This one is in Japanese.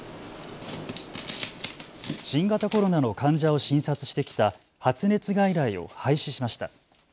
新型コロナの患者を診察してきた発熱外来を廃止しました。